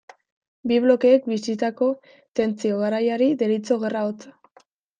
Bi blokeek bizitako tentsio garaiari deritzo Gerra hotza.